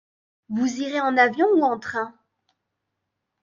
Vous irez en avion ou en train ?